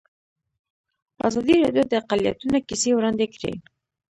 ازادي راډیو د اقلیتونه کیسې وړاندې کړي.